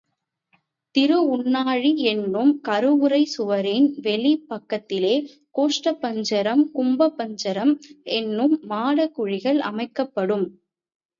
திருஉண்ணாழி என்னும் கருவறைச் சுவரின் வெளிப் பக்கத்திலே கோஷ்ட பஞ்சரம், கும்ப பஞ்சரம் எனும் மாடக் குழிகள் அமைக்கப்படும்.